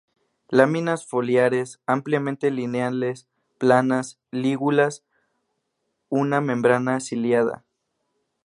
Láminas foliares ampliamente lineales, planas, lígulas una membrana ciliada.